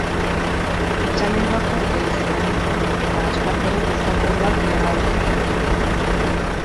Altxamenduak porrot egin zuen eta Esparterok euskal foruak indargabetu zituen.